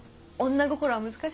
女心は難しい。